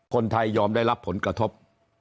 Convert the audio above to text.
คนไทยยอมได้รับผลกระทบ